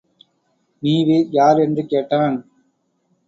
நீவிர் யார் என்று கேட்டான்.